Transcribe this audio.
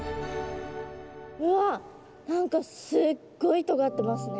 うわ何かすっごいとがってますね。